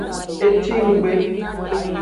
E ci nggbe.